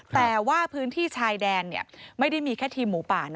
แต่ว่าพื้นที่ชายแดนไม่ได้มีแค่ทีมหมูป่า